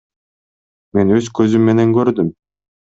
Мен өз көзүм менен көрдүм.